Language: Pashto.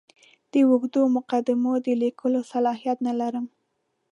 د اوږدو مقدمو د لیکلو صلاحیت نه لرم.